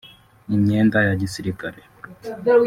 imyenda ya gisirikare